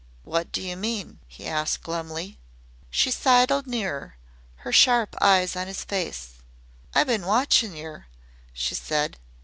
"What do you mean?" he asked glumly. She sidled nearer, her sharp eyes on his face. "I bin watchin' yer," she said.